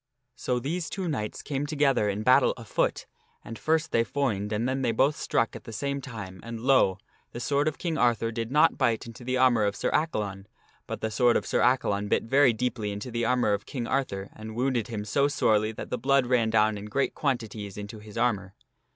So these two knights came together in battle afoot, and first they foined and then they both struck at the same time and, lo ! the sword of King Arthur did not bite into the armor of Sir Accalon, but the sword of Sir Accalon bit very deeply into the armor of King Arthur and wounded him so sorely that the blood ran down in great quantities into his armor.